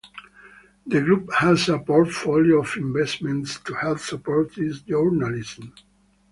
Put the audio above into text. The group has a portfolio of investments to help support its journalism.